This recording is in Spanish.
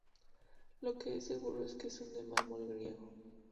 Lo que es seguro es que son de mármol griego.